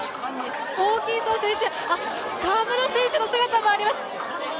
ホーキンソン選手河村選手の姿もあります。